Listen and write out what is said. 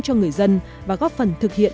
cho người dân và góp phần thực hiện